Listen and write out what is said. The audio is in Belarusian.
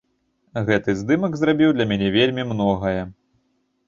Гэты здымак зрабіў для мяне вельмі многае.